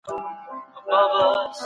کتابونه بايد په المارۍ کي کېښودل سي.